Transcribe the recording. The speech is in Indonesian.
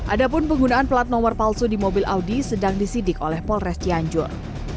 ada pun penggunaan plat nomor palsu di mobil audi sedang disidik oleh polres cianjur